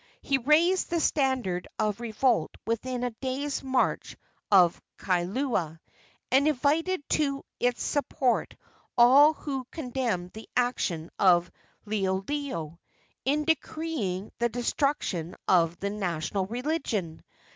He raised the standard of revolt within a day's march of Kailua, and invited to its support all who condemned the action of Liholiho in decreeing the destruction of the national religion.